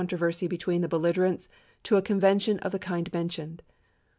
troversy between the belligerents to a convention of the kind mentioned."